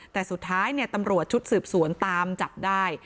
แต่สุดท้ายตำรวจชุดสืบสวนตามจับได้